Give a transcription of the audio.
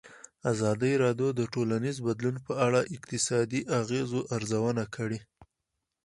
ازادي راډیو د ټولنیز بدلون په اړه د اقتصادي اغېزو ارزونه کړې.